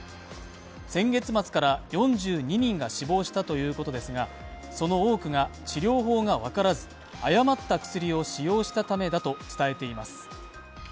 先月末から４２人が死亡したということですがその多くが治療法が分からず誤った薬を使用したためだと伝えています。